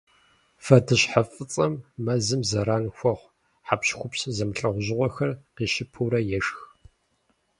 Вэдыщхьэфӏыцӏэм мэзым зэран хуэхъу хьэпщхупщ зэмылӏэужьыгъуэхэр къищыпурэ ешх.